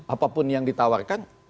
apapun yang ditawarkan